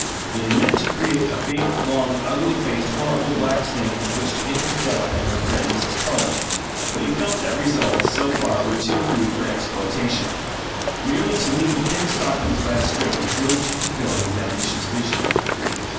He had meant to create a big, long, ugly faced horrible black snake with which to interest Della and her friend, Mrs. Cullen; but he felt that results, so far, were too crude for exploitation. Merely to lead the pinned stockings by a string was little to fulfill his ambitious vision.